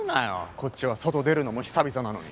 こっちは外出るのも久々なのに。